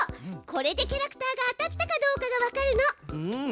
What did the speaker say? これでキャラクターが当たったかどうかがわかるの。